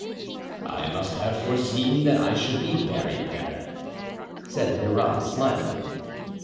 "I must have foreseen that I should be buried there," said Murat, smiling.